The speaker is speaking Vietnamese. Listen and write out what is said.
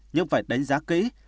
nhưng phải đánh giá kỹ